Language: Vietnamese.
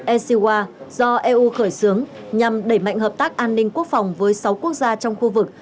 ecwa do eu khởi xướng nhằm đẩy mạnh hợp tác an ninh quốc phòng với sáu quốc gia trong khu vực